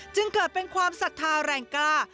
จึงเกิดเป็นความศรัทธาแรงกล้า